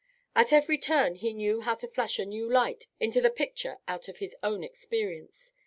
At every turn he knew how to flash a new light into the picture out of his own experience.